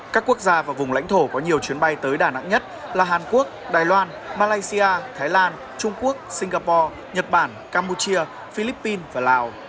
các quốc gia và vùng lãnh thổ có nhiều chuyến bay tới đà nẵng nhất là hàn quốc đài loan malaysia thái lan trung quốc singapore nhật bản campuchia philippines và lào